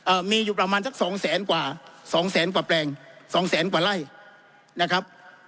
มีอยู่ประมาณสักสองแสนกว่าสองแสนกว่าแปลงสองแสนกว่าไร่นะครับ